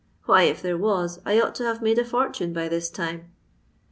Why, if there was, I ought to have made a fortune by this time."